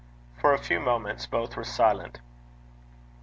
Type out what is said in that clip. For a few moments both were silent.